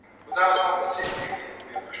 یوه ترافیکي پېښه د هغه د حالت لامل شوه.